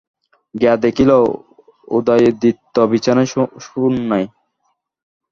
গিয়া দেখিল, উদয়াদিত্য বিছানায় শােন নাই।